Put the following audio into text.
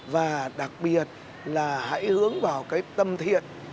và đặc biệt là hãy hướng vào cái tâm thiện